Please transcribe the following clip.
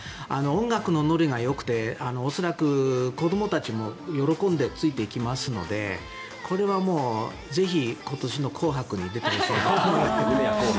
音楽のノリがよくて恐らく子どもたちも喜んでついていきますのでこれはぜひ今年の「紅白」に出てほしいなと。